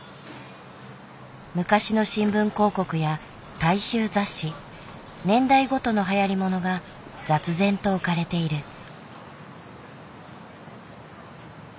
昔の新聞広告や大衆雑誌年代ごとのはやりものが雑然と置かれている。